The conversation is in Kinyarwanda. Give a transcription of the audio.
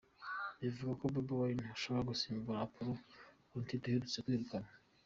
Bivugwa ko Bobi Wine ashaka gusimbura Apollo Kantinti uherutse kwirukanwa.